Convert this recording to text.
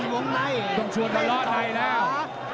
มุมไหนต้องชวนเดินแล้ว